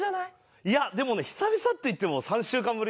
いやでもね久々っていっても３週間ぶりとかだよ。